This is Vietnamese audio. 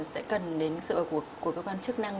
sẽ cần đến sự vào cuộc của các quan chức năng